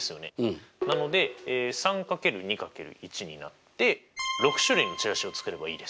なので３×２×１になって６種類のチラシを作ればいいです。